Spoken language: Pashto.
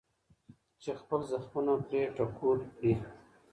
چې خپل زخمونه پرې ټکور کړي.